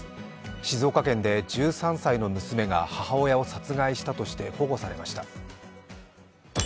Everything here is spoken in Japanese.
静岡県で１３歳の娘が母親を殺害したとして保護されました。